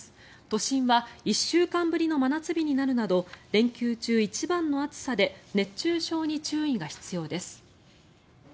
都心は１週間ぶりの真夏日になるなど連休中一番の暑さで熱中症に注意が必要です。